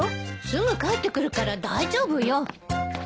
すぐ帰ってくるから大丈夫よ。